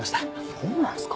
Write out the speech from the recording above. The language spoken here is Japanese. そうなんすか。